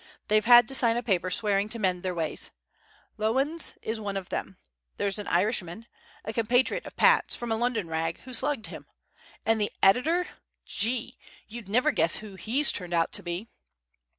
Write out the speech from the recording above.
They've had to sign a paper swearing to mend their ways. Lowndes is one of them; there's an Irishman compatriot of Pat's from a London rag, who slugged him. And the editor Gee! you'd never guess who he's turned out to be."